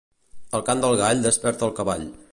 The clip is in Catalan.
El cant del gall desperta al cavall.